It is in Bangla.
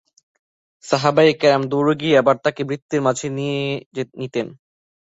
সাহাবায়ে কেরাম দৌড়ে গিয়ে আবার তাঁকে বৃত্তের মাঝে নিয়ে নিতেন।